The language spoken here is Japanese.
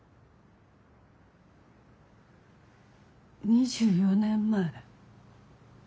２４年前？